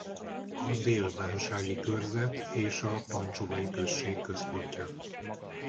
A Dél-bánsági körzet és a pancsovai község központja.